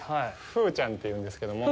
風ちゃんっていうんですけども。